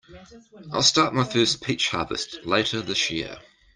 I'll start my first peach harvest later this year.